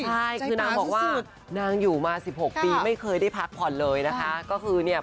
ใช่ที่นางบอกว่านางอยู่มา๑๖ปีไม่เคยได้พักผ่อนเลยนะคะ